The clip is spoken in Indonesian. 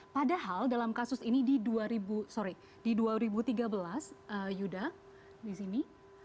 padahal dalam kasus ini di dua ribu tiga belas yuda disini